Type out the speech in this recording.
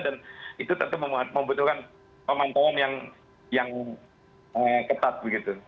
dan itu tentu membutuhkan pemampung yang ketat begitu